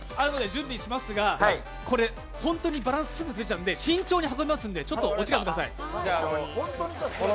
準備しますが、これ本当にバランスすぐ崩れちゃうんで慎重に運びますのでお時間ください。